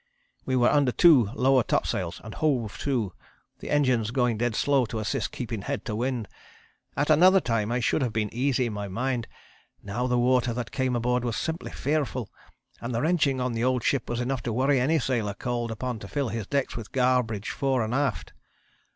We were under 2 lower topsails and hove to, the engines going dead slow to assist keeping head to wind. At another time I should have been easy in my mind; now the water that came aboard was simply fearful, and the wrenching on the old ship was enough to worry any sailor called upon to fill his decks with garbage fore and aft.